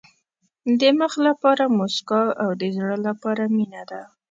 د مخ لپاره موسکا او د زړه لپاره مینه ده.